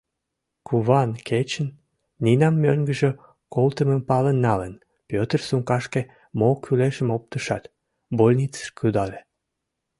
Куван кечын Нинам мӧҥгыжӧ колтымым пален налын, Пӧтыр сумкашке мо кӱлешым оптышат, больницыш кудале.